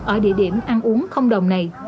ở địa điểm ăn uống không đồng này